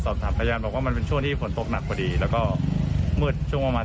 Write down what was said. พยานบอกว่ามันเป็นช่วงที่ฝนตกหนักพอดีแล้วก็มืดช่วงประมาณ